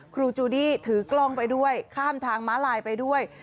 ครูจูดี้ถือกล้องไปด้วยข้ามทางม้าลายไปด้วย